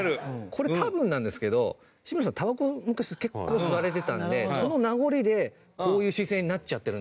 これ多分なんですけど志村さんたばこ昔結構吸われてたんでその名残でこういう姿勢になっちゃってるんだと。